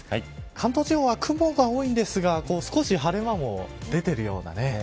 関東地方は雲が多いんですが少し晴れ間も出ているようなね。